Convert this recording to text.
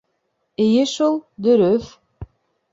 — Эйе шул, дөрөҫ.